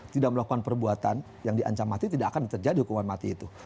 tidak melakukan perbuatan yang diancam mati tidak akan terjadi hukuman mati itu